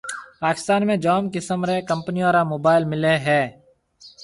پاڪستان ۾ جام قسم رَي ڪمپنيون را موبائل مليَ ھيََََ